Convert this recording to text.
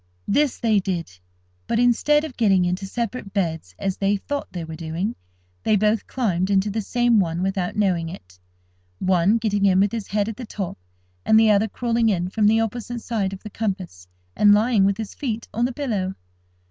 This they did; but, instead of getting into separate beds, as they thought they were doing, they both climbed into the same one without knowing it—one getting in with his head at the top, and the other crawling in from the opposite side of the compass, and lying with his feet on the pillow.